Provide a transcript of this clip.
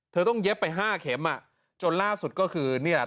เธอต้องเย็บไปห้าเข็มอ่ะจนล่าสุดก็คือนี่แหละ